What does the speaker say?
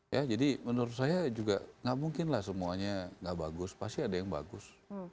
ya jadi menurut saya juga nggak mungkin lah semuanya nggak bagus pasti ada yang bagus